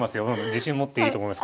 自信持っていいと思います。